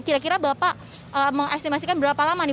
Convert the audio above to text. kira kira bapak mengestimasikan berapa lama nih